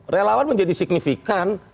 relawan menjadi signifikan